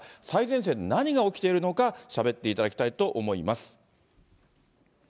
最前線で何が起きているのか、しゃべっていただきたいと思います。